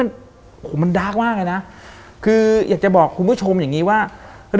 อันนั้นมันก็มองได้สองแง